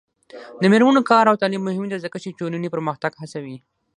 د میرمنو کار او تعلیم مهم دی ځکه چې ټولنې پرمختګ هڅوي.